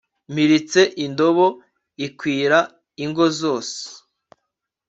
mpiritse indobo ikwira ingo zose